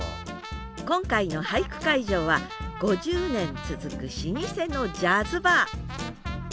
今回の俳句会場は５０年続く老舗のジャズバー。